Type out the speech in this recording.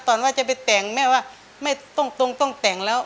ว่าจะไปแต่งแม่ว่าไม่ต้องตรงต้องแต่งแล้ว